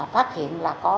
phát hiện là có